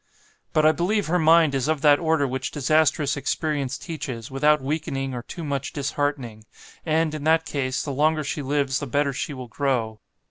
"But I believe her mind is of that order which disastrous experience teaches, without weakening or too much disheartening; and, in that case, the longer she lives the better she will grow.